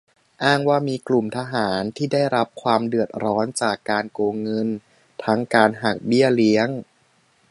อ้างว่ามีกลุ่มทหารที่ได้รับความเดือดร้อนจากการโกงเงิน ทั้งการหักเบี้ยเลี้ยง